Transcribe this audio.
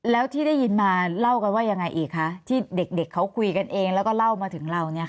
แล้วที่ได้ยินมาเล่ากันว่ายังไงอีกคะที่เด็กเขาคุยกันเองแล้วก็เล่ามาถึงเรา